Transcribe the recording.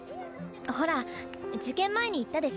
ほら受験前に言ったでしょ？